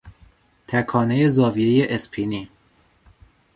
تکانهی زاویهی اسپینی